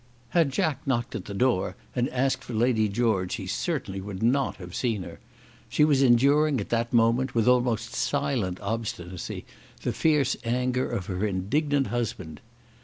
Had Jack knocked at the door and asked for Lady George he certainly would not have seen her. She was enduring at that moment, with almost silent obstinacy, the fierce anger of her indignant husband.